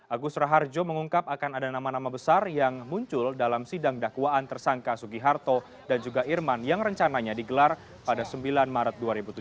agus raharjo mengungkap akan ada nama nama besar yang muncul dalam sidang dakwaan tersangka sugiharto dan juga irman yang rencananya digelar pada sembilan maret dua ribu tujuh belas